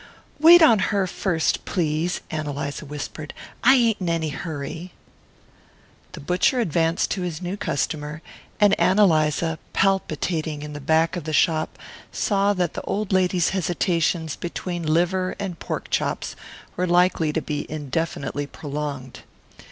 "Wait on her first, please," Ann Eliza whispered. "I ain't in any hurry." The butcher advanced to his new customer, and Ann Eliza, palpitating in the back of the shop, saw that the old lady's hesitations between liver and pork chops were likely to be indefinitely prolonged.